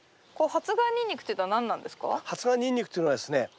発芽ニンニクっていうのはですね